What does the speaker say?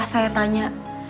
ami sudah tanya